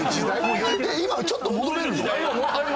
そんな今はちょっと戻れるの？